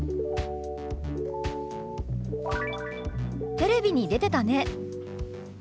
「テレビに出てたね」。